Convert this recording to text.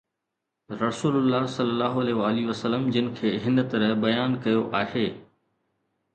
رسول الله ﷺ جن کي هن طرح بيان ڪيو آهي